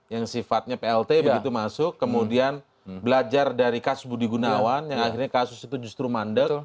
yang sifatnya plt begitu masuk kemudian belajar dari kasus budi gunawan yang akhirnya kasus itu justru mandek